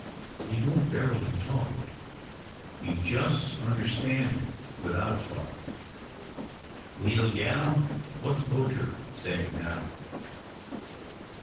He don't verily talk. Ye jist understan' him without talk leetle gal, what's Poacher sayin' now?"